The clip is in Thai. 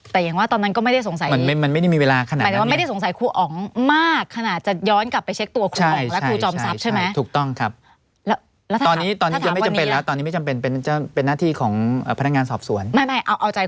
เพิ่งมานึกตอนนี้